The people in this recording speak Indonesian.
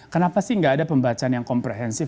kenapa sih nggak ada pembacaan yang komprehensif